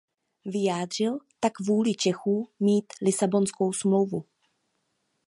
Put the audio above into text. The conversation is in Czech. Vyjádřil tak vůli Čechů mít Lisabonskou smlouvu.